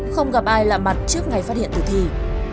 không gặp ai lạ mặt trước ngày phát hiện tử thi